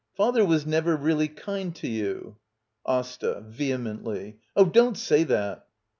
Father was never really kind to you. AsTA. [Vehemently.] Oh, don't say that!